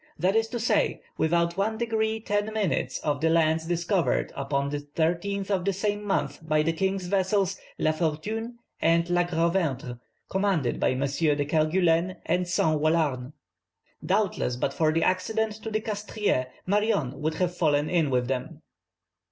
that is to say within 1 degree 10 minutes of the lands discovered upon the 13th of the same month by the king's vessels La Fortune and Le Gros Ventre, commanded by MM. de Kerguelen and Saint Allouarn. Doubtless, but for the accident to the Castries, Marion would have fallen in with them.